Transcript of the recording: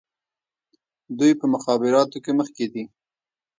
دوی په مخابراتو کې مخکې دي.